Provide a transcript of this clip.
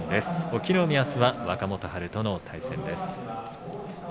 隠岐の海はあすは若元春との対戦です。